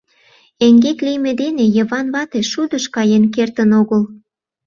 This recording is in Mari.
Эҥгек лийме дене Йыван вате шудыш каен кертын огыл.